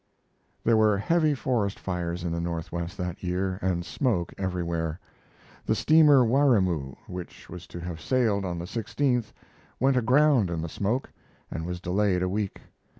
There were heavy forest fires in the Northwest that year, and smoke everywhere. The steamer Waryimoo, which was to have sailed on the 16th, went aground in the smoke, and was delayed a week.